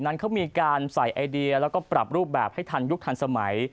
นั้นเขามีการใส่ไอเดียแล้วก็ปรับรูปแบบให้ทันยุคทันสมัย